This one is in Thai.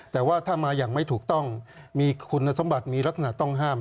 แต่ว่าถ้ามาอย่างไม่ถูกต้องมีคุณสมบัติมีลักษณะต้องห้าม